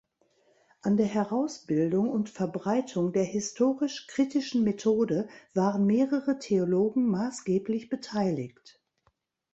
An der Herausbildung und Verbreitung der historisch-kritischen Methode waren mehrere Theologen maßgeblich beteiligt.